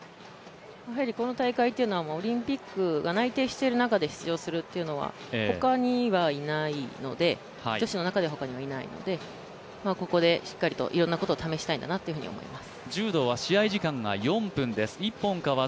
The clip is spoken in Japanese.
この大会というのはオリンピックが内定している中で出場するというのは女子の中では他にはいないのでここでしっかりといろんなことを試したいんだなと思います。